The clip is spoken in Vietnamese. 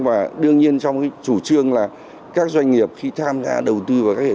và đương nhiên trong chủ trương là các doanh nghiệp khi tham gia đầu tư vào các hệ thống